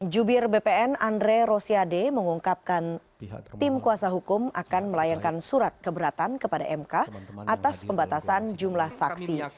jubir bpn andre rosiade mengungkapkan tim kuasa hukum akan melayangkan surat keberatan kepada mk atas pembatasan jumlah saksi